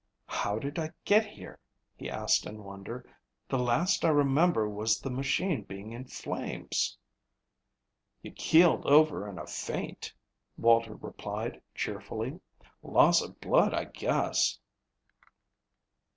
"How did I get here?" he asked in wonder. "The last I remember was the machine being in flames." "You keeled over in a faint," Walter replied cheerfully. "Loss of blood, I guess."